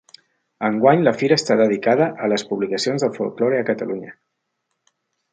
Enguany la fira està dedicada a ‘Les publicacions del folklore a Catalunya’.